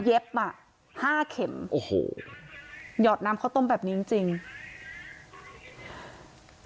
เย็บอ่ะห้าเข็มโอ้โหหยอดน้ำเขาต้มแบบนี้จริงจริง